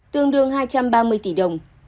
tương đương hai trăm ba mươi tỷ đồng